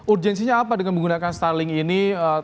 urgensinya apa dengan menggunakan starling ini